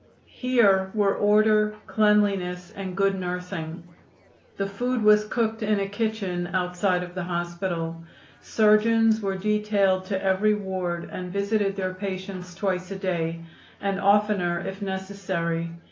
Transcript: Here were order, cleanliness and good nursing. The food was cooked in a kitchen outside of the hospital. Surgeons were detailed to every ward and visited their patients twice a day, and oftener if necessary.